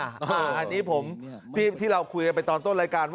อันนี้ผมที่เราคุยกันไปตอนต้นรายการว่า